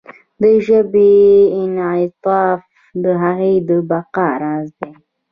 د ژبې انعطاف د هغې د بقا راز دی.